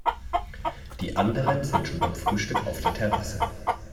Die anderen sind schon beim Frühstück auf der Terrasse.